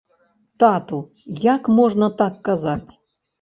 Тату, як можна так казаць.